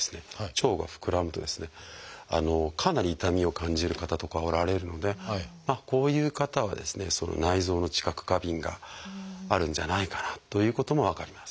腸が膨らむとですねかなり痛みを感じる方とかはおられるのでこういう方はですね内臓の知覚過敏があるんじゃないかなということも分かります。